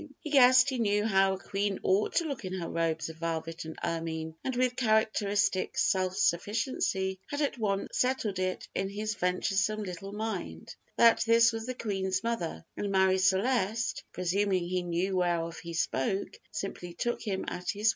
[Illustration: 0135] He guessed he knew how a queen ought to look in her robes of velvet and ermine, and with characteristic self sufficiency had at once settled it in his venturesome little mind that this was the Queen's mother; and Marie Celeste, presuming he knew whereof he spoke, simply took him at his word.